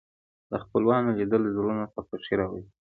د خپلوانو لیدل زړونو ته خوښي راولي